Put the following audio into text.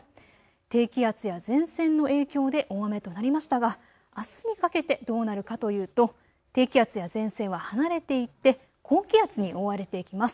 低気圧や前線の影響で大雨となりましたがあすにかけてどうなるかというと低気圧や前線は離れていって高気圧に覆われていきます。